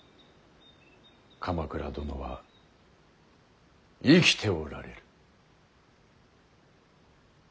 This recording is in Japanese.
鎌倉殿は生きておられる。